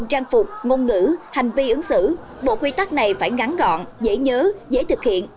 trang phục ngôn ngữ hành vi ứng xử bộ quy tắc này phải ngắn gọn dễ nhớ dễ thực hiện